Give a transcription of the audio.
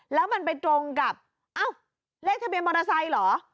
แล้วเป็นตรงกับเลขทะเบียนมอเตอร์ไซต์เหรอ